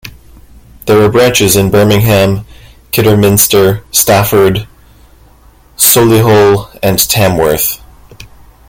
There are branches in Birmingham, Kidderminster, Stafford, Solihull and Tamworth.